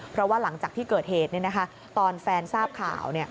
เพราะว่าหลังจากที่เกิดเหตุตอนแฟนทราบข่าว